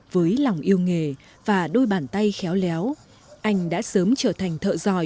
với lòng yêu nghề và đôi bàn tay khéo léo anh đã sớm trở thành thợ giỏi